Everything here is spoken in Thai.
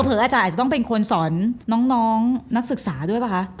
อาจารย์อาจจะต้องเป็นคนสอนน้องนักศึกษาด้วยป่ะคะ